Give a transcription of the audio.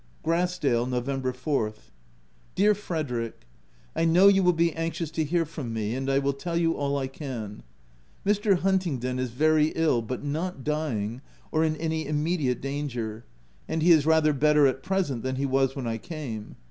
Grassdale, Nov. 4th. Dear Frederick, 1 know you will be anxious to hear from me : and I will tell you all I can. Mr. Huntingdon is very ill, but not dying, or in any immediate danger ; and he is rather better at present than he was when I came.